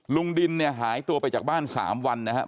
ลุงดินเนี่ยหายตัวไปจากบ้าน๓วันนะครับ